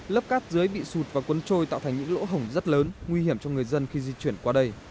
lớp cát dưới bị sụt và cuốn trôi tạo thành những lỗ hổng rất lớn nguy hiểm cho người dân khi di chuyển qua đây